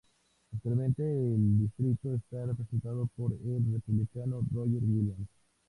Actualmente el distrito está representado por el Republicano Roger Williams.